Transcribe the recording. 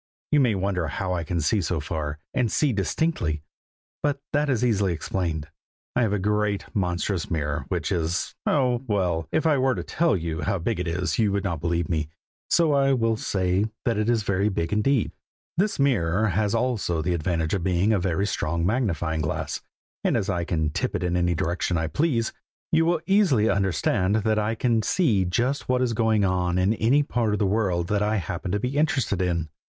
You may wonder how I can see so far, and see distinctly, but that is easily explained. I have a great, monstrous mirror, which is oh! well, if I were to tell you how big it is, you would not believe me, so I will only say that it is very big indeed. This mirror has also the advantage of being a very strong magnifying glass, and as I can tip it in any direction I please, you will easily understand that I can see just what is going on in any part of the world that I happen to be interested in.